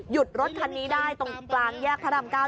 หยุดรถคันนี้ได้ตรงกลางแยกพระดำเก้า